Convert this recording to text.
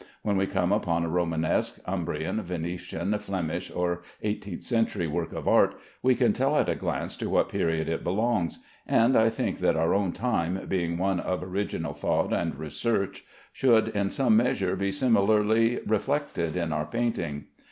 When we come upon a Romanesque, Umbrian, Venetian, Flemish, or eighteenth century work of art, we can tell at a glance to what period it belongs, and I think that our own time, being one of original thought and research, should in some measure be similarly reflected in our painting.